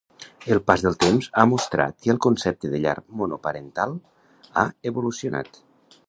El pas del temps ha mostrat que el concepte de llar monoparental ha evolucionat.